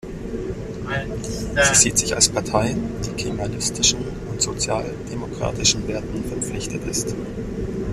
Sie sieht sich als Partei, die kemalistischen und sozialdemokratischen Werten verpflichtet ist.